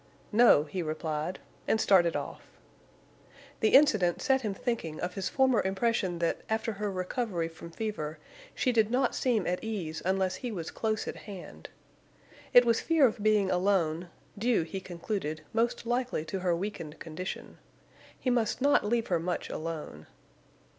"No," he replied, and started off. The incident set him thinking of his former impression that, after her recovery from fever, she did not seem at ease unless he was close at hand. It was fear of being alone, due, he concluded, most likely to her weakened condition. He must not leave her much alone.